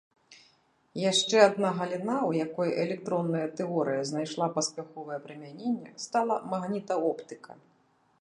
Яшчэ адна галіна, у якой электронная тэорыя знайшла паспяховае прымяненне, стала магнітаоптыка.